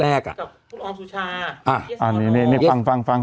กับคุณอำสุชาอันนี้ฟังฟังฟัง